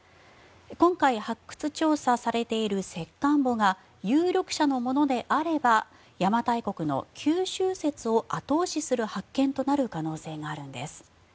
今回、発掘調査されている石棺墓が有力者のものであれば邪馬台国の九州説を後押しする発見となる可能性があるんです。